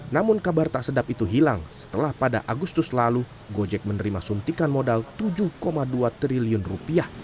namun kabar tak sedap itu hilang setelah pada agustus lalu gojek menerima suntikan modal tujuh dua triliun rupiah